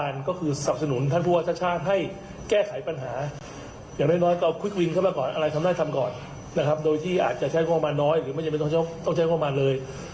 ซึ่งให้ท่านเหล่านั้นมาซัพพอร์ตถ้าพูดว่าชชาติ